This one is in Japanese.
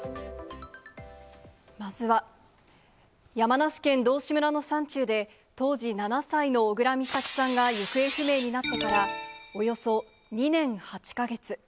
まずは、山梨県道志村の山中で、当時７歳の小倉美咲さんが行方不明になってからおよそ２年８か月。